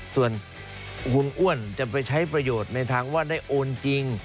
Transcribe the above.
ส่วนคุณอ้วนจะไปใช้ประโยชน์ในทางว่าได้โอนจริง